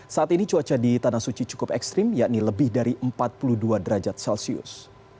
saat ini cuaca di tanah suci cukup ekstrim yakni lebih dari empat puluh dua derajat celcius